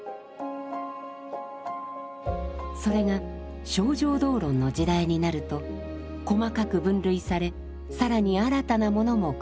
それが「清浄道論」の時代になると細かく分類され更に新たなものも加わります。